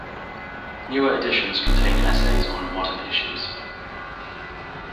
Newer editions contain essays on modern issues.